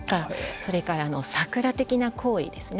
それから桜的な行為ですね。